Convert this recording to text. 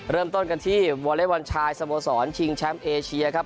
เริ่มต้นกันที่วอเล็กบอลชายสโมสรชิงแชมป์เอเชียครับ